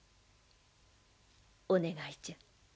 お願いじゃ。